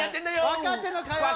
分かってんのかよ。